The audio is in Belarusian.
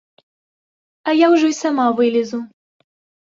А я ўжо і сама вылезу!